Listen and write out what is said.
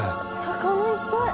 魚いっぱい！